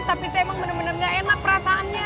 tapi saya emang bener bener gak enak perasaannya